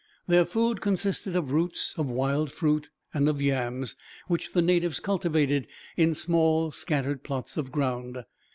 Their food consisted of roots, of wild fruit, and of yams; which the natives cultivated in small, scattered plots of ground.